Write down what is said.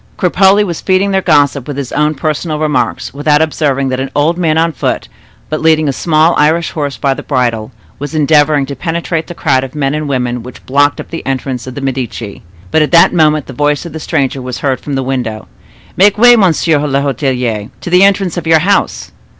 Cropole was feeding their gossip with his own personal remarks, without observing that an old man on foot, but leading a small Irish horse by the bridle, was endeavoring to penetrate the crowd of men and women which blocked up the entrance to the Medici. But at that moment the voice of the stranger was heard from the window. "Make way, monsieur l'hotelier, to the entrance of your house!"